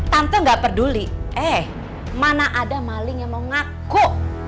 tante gak peduli eh mana ada maling yang mau ngaku